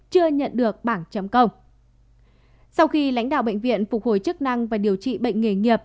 chưa nhận được bảng chấm công sau khi lãnh đạo bệnh viện phục hồi chức năng và điều trị bệnh nghề nghiệp